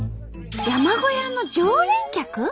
山小屋の常連客？